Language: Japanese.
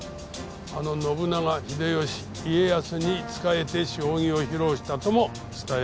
あの信長秀吉家康に仕えて将棋を披露したとも伝えられている。